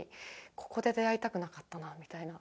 ここで出会いたくなかったなみたいな。